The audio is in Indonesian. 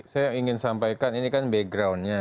saya ingin sampaikan ini kan backgroundnya